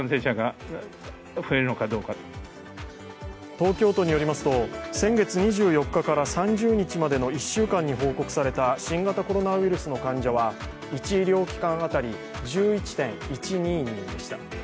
東京都によりますと、先月２４日から３０日までの１週間に報告された新型コロナウイルスの患者は１医療機関当たり１１．１２人でした。